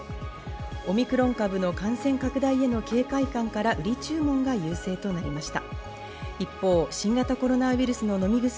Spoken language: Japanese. オミクロン株の感染拡大への警戒感から売り注文が優勢となりました。